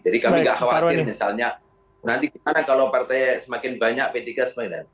kami nggak khawatir misalnya nanti gimana kalau partai semakin banyak p tiga semakin lain